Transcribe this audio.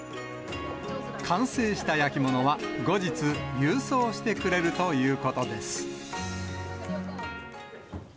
完成した焼き物は後日、郵送してくれるということです。